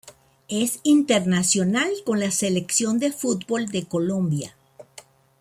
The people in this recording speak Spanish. Es internacional con la Selección de fútbol de Colombia.